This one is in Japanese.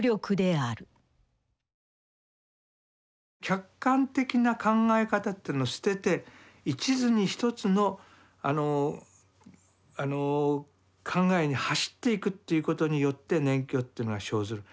客観的な考え方というのを捨てて一途に１つのあのあの考えに走っていくということによって熱狂というのは生ずる。